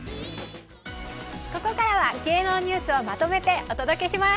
ここからは芸能ニュースをまとめてお届けします。